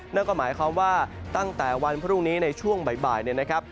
นั่นก็หมายความว่าตั้งแต่วันพรุ่งนี้ในช่วงบ่ายเนี่ยนะครับ